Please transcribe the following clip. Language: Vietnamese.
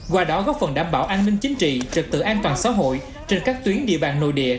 qua đó góp phần đảm bảo an ninh chính trị trực tự an toàn xã hội trên các tuyến địa bàn nội địa